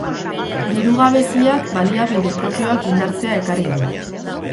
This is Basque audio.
Diru gabeziak baliabide propioak indartzea ekarri du.